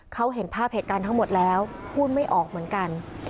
เขาเห็นภาพเหตุการณ์ทั้งหมดแล้วพูดไม่ออกเหมือนกัน